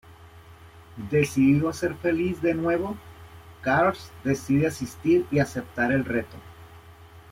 Decidido a ser feliz de nuevo, Carl decide asistir y aceptar el reto.